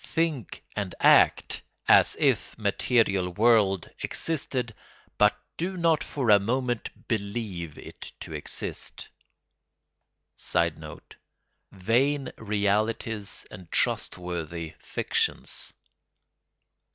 Think and act as if a material world existed, but do not for a moment believe it to exist." [Sidenote: Vain "realities" and trustworthy "fictions."